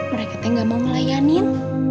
mereka yang gak mau ngelayanin